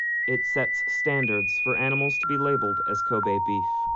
It sets standards for animals to be labeled as Kobe beef.